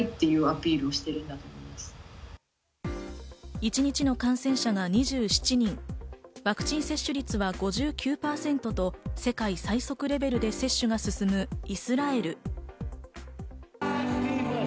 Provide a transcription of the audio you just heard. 一日の感染者が２７人、ワクチン接種率は５９％と世界最速レベルで接種が進むイスラエル。